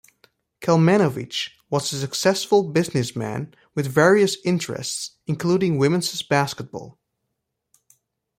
Kalmanovich was a successful business man with various interests, including women's basketball.